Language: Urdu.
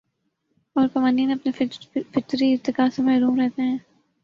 اور قوانین اپنے فطری ارتقا سے محروم رہتے ہیں